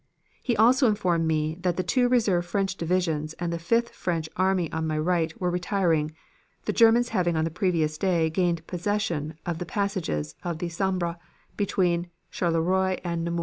He also informed me that the two reserve French divisions and the Fifth French army on my right were retiring, the Germans having on the previous day gained possession of the passages of the Sambre, between Charleroi and Namur.